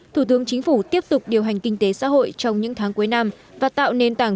thủ tướng chính phủ tiếp tục điều hành kinh tế xã hội trong những tháng cuối năm và tạo nền tảng